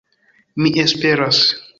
Mi esperas